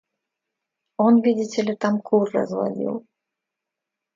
Он, видите ли, там кур разводил.